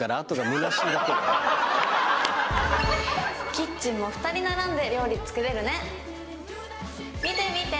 キッチンも２人並んで料理作れるね見て見て！